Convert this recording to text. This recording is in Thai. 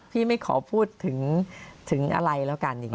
ไม่ขอพูดถึงอะไรแล้วกัน